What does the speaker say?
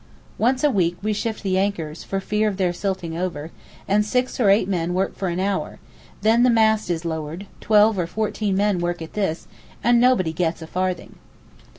Once a week we shift the anchors, for fear of their silting over, and six or eight men work for an hour; then the mast is lowered—twelve or fourteen men work at this—and nobody gets a farthing.